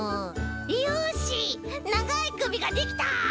よしながいくびができた！